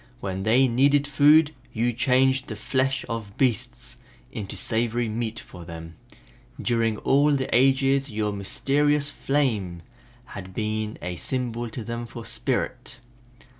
When they needed food you changed the flesh of beasts into savory meat for them. During all the ages your mysterious flame has been a symbol to them for Spirit.